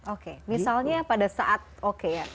oke misalnya pada saat oke ya